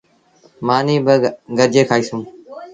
مآݩيٚ با گڏجي کآئيٚسون۔